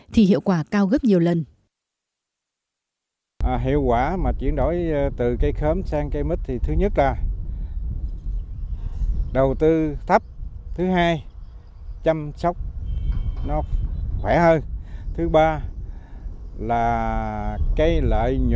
thì hiệu quả cao gấp nhiều lần